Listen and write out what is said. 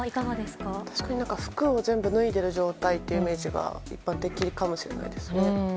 服を全部脱いでいる状態というイメージが一般的かもしれないですね。